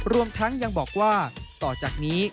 รวมทั้งยังบอกว่าต่อจากนี้